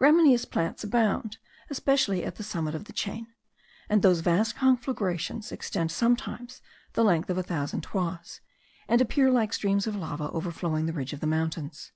Gramineous plants abound, especially at the summit of the chain; and those vast conflagrations extend sometimes the length of a thousand toises, and appear like streams of lava overflowing the ridge of the mountains.